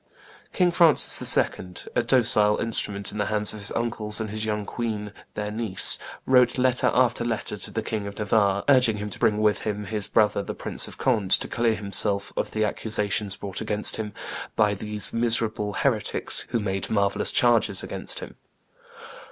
King Francis II., a docile instrument in the hands of his uncles and his young queen their niece, wrote letter after letter to the King of Navarre, urging him to bring with him his brother the Prince of Conde to clear himself of the accusations brought against him "by these miserable heretics, who made marvellous charges against him.